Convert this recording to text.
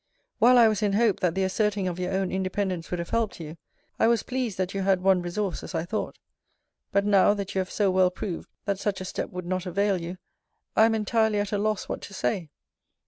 While I was in hope, that the asserting of your own independence would have helped you, I was pleased that you had one resource, as I thought. But now, that you have so well proved, that such a step would not avail you, I am entirely at a loss what to say.